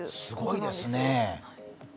すごいですね。